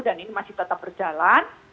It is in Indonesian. dan ini masih tetap berjalan